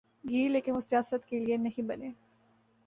گی لیکن وہ سیاست کے لئے نہیں بنے۔